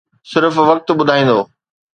صرف وقت ٻڌائيندو.